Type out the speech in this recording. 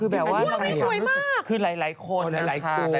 คือแบบว่าคือหลายคนนะคะ